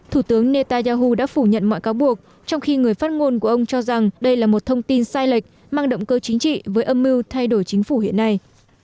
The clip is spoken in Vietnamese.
thủ tướng netanyahu đã phủ nhận mọi cáo buộc trong khi người phát ngôn của ông cho rằng đây là một thông tin sai lệch mang động cơ chính trị với âm mưu thay đổi chính phủ hiện nay